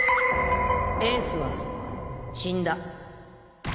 エースは死んだ